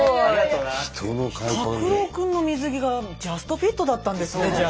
タクロウ君の水着がジャストフィットだったんですねじゃあ。